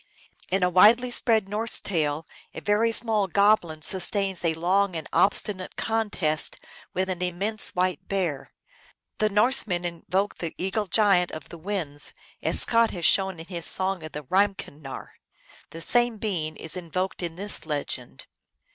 In a widely spread Norse tale a very small goblin sustains a long and obstinate contest with an immense white bear. The Norsemen invoked the Eagle Giant of the Winds, as Scott has shown in his song of the Reim kennar. The same being is invoked in this legend.